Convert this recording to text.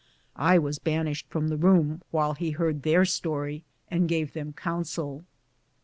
I was banished from the room, while he heard their story and gave them counsel.